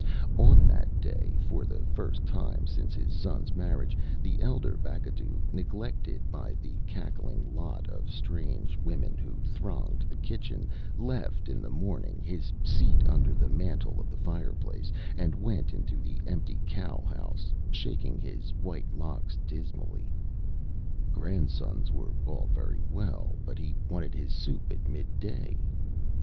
On that day, for the first time since his sonÂs marriage, the elder Bacadou, neglected by the cackling lot of strange women who thronged the kitchen, left in the morning his seat under the mantel of the fireplace, and went into the empty cow house, shaking his white locks dismally. Grandsons were all very well, but he wanted his soup at midday.